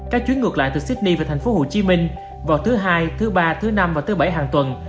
các chuyến ngược lại từ sydney về tp hcm vào thứ hai thứ ba thứ năm và thứ bảy hàng tuần